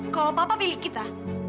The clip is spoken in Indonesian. kalau papa pilih kita